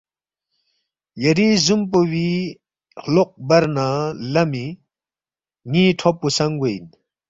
یری زوم پیوی ہلوق بر نہ لمی نی ْٹھوپ پو سنگ گوے ان